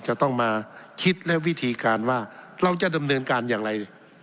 จะต้องมาคิดและวิธีการว่าเราจะดำเนินการอย่างไร